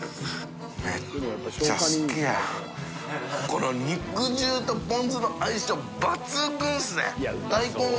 この肉汁とぽん酢の相性抜群ですね。